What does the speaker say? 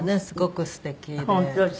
すごくすてきで。